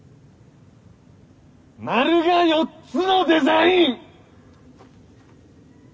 丸が「４つ」のデザイン。